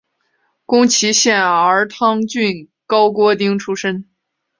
宫崎县儿汤郡高锅町出身。